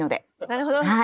なるほど。